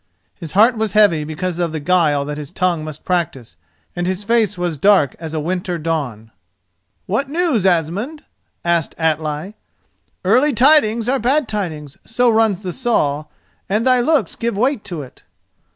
His heart was heavy because of the guile that his tongue must practise, and his face was dark as a winter dawn. "What news, Asmund?" asked Atli. "Early tidings are bad tidings, so runs the saw, and thy looks give weight to it."